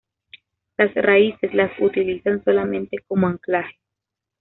Las raíces las utilizan solamente como anclaje.